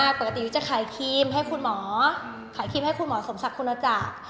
ขายครีมให้คุณหมอสมศักดิ์คุณอาจารย์